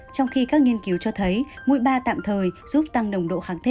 trong khi các nghiên cứu cho thấy mũi ba tạm thời giúp tăng nồng độ kháng thể